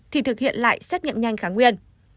thì thực hiện lại xét nghiệm nhanh kháng nguyên